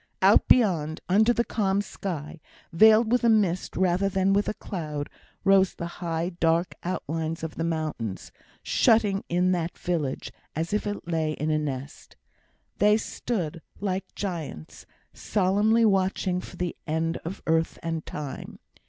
Out beyond, under the calm sky, veiled with a mist rather than with a cloud, rose the high, dark outlines of the mountains, shutting in that village as if it lay in a nest. They stood, like giants, solemnly watching for the end of Earth and Time.